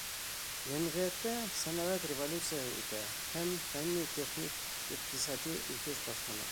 Йәмғиәттә сәнәғәт революцияһы үтә, һәм фәнни-техник, иҡтисади үҫеш башлана.